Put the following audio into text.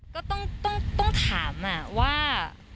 ก็ต้องถามว่า